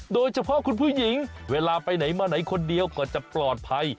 โดยเฉพาะคุณผู้หญิงเวลาไปไหนมาไหนคนเดียวก็จะปลอดภัย